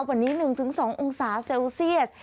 วันนี้๑๒องศาเซลเซียส